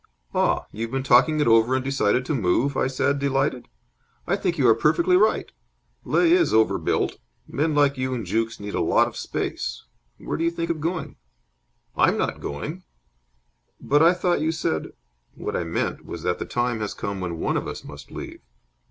"Ah, you have been talking it over and decided to move?" I said, delighted. "I think you are perfectly right. Leigh is over built. Men like you and Jukes need a lot of space. Where do you think of going?" "I'm not going." "But I thought you said " "What I meant was that the time has come when one of us must leave."